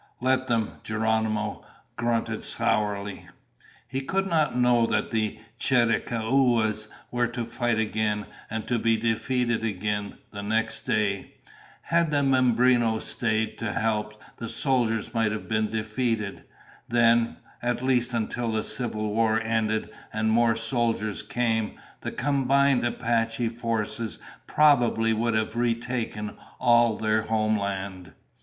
"Let them," Geronimo grunted sourly. He could not know that the Chiricahuas were to fight again, and to be defeated again, the next day. Had the Mimbrenos stayed to help, the soldiers might have been defeated. Then, at least until the Civil War ended and more soldiers came, the combined Apache forces probably would have retaken all their homeland.